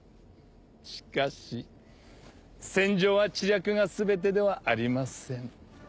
しかし戦場は知略が全てではありません。